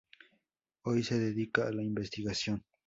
Hoy se dedica a la investigación.